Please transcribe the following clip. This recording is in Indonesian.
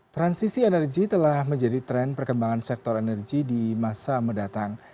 transisi energi telah menjadi tren perkembangan sektor energi di masa mendatang